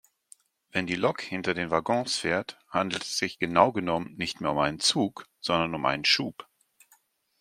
Wenn die Lok hinter den Waggons fährt, handelt es sich genau genommen nicht mehr um einen Zug sondern um einen Schub.